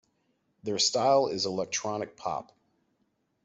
Their style is electronic pop.